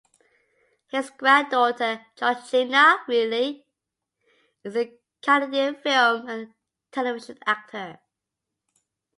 His granddaughter Georgina Reilly is a Canadian film and television actor.